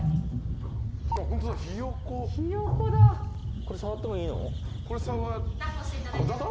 これ触ってもいいの？え。